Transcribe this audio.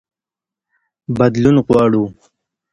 بدلون غواړو.